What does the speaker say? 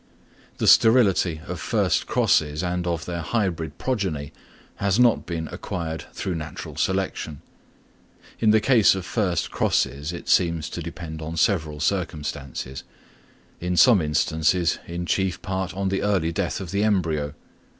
The sterility of first crosses and of their hybrid progeny has not been acquired through natural selection. In the case of first crosses it seems to depend on several circumstances; in some instances in chief part on the early death of the embryo.